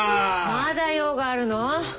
まだ用があるの？